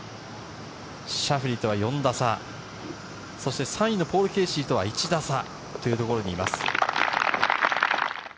シャフリーとは４打差、そして３位のポール・ケーシーとは１打差というところにいます。